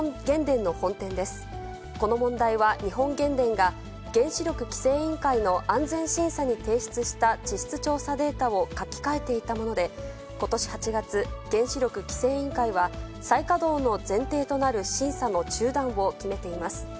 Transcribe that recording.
この問題は日本原電が原子力規制委員会の安全審査に提出した地質調査データを書き換えていたもので、ことし８月、原子力規制委員会は、再稼働の前提となる審査の中断を決めています。